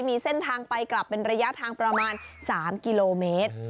มีเส้นทางไปกลับเป็นระยะทางประมาณ๓กิโลเมตร